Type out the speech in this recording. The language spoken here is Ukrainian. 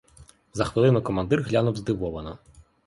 За хвилину командир глянув здивовано.